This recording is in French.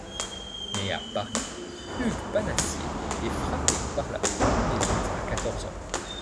Né à Paris, Hugues Panassié est frappé par la poliomyélite à quatorze ans.